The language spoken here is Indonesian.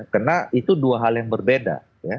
karena itu dua hal yang berbeda